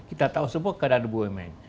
kita tahu semua keadaan bumn